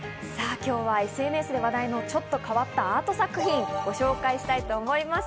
今日はＳＮＳで話題のちょっと変わったアート作品をご紹介したいと思います。